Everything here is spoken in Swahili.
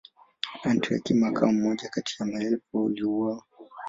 Andrea Kim akawa mmoja kati ya maelfu waliouawa.